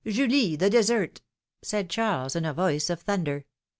"Julie, the dessert !" said Charles, in a voice of thunder.